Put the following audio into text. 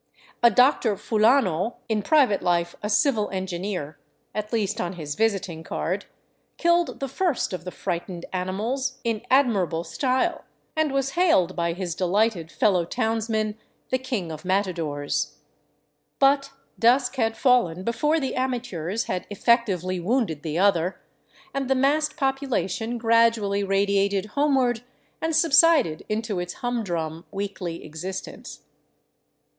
A Dr. Fulano, in private life a civil engineer, at least on his visiting card, killed the first of the frightened animals in admirable style, and was hailed by his delighted fellow townsmen the king of matadores. But dusk had fallen before the amateurs had effectively wounded the other, and the massed population gradually radiated homeward and subsided into its humdrum weekly existence.